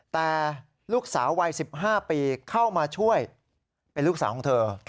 แต่ลูกสาววัย๑๕ปีเข้ามาช่วยเป็นลูกสาวของเธอ